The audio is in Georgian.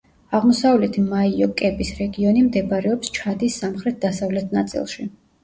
აღმოსავლეთი მაიო-კების რეგიონი მდებარეობს ჩადის სამხრეთ-დასავლეთ ნაწილში.